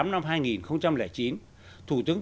năm hai nghìn chín thủ tướng